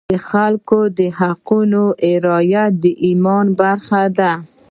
د خلکو د حقونو رعایت د ایمان برخه ده.